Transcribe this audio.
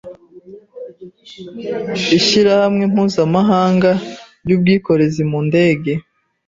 Ishyirahamwe mpuzamahanga rw'ubwikorezi mu ndege